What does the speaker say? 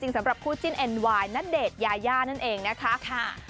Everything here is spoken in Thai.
จริงสำหรับคู่จิ้นนายนเดชยาย่านั่นเองนะคะ